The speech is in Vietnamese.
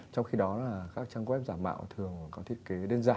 trong khi đó là các trang web giả mạo thường có thiết kế đơn giản